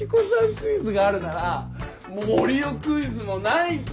クイズがあるなら森生クイズもないと！